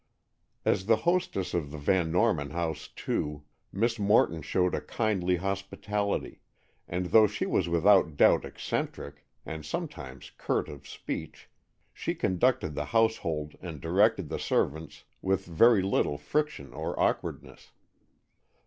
As the hostess at the Van Norman house, too, Miss Morton showed a kindly hospitality, and though she was without doubt eccentric, and sometimes curt of speech, she conducted the household and directed the servants with very little friction or awkwardness.